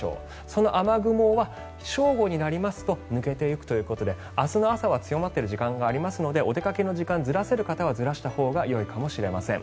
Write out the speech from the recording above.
その雨雲は正午になりますと抜けていくということで明日の朝は強まっている時間がありますのでお出かけの時間ずらせる方はずらしたほうがよいかもしれません。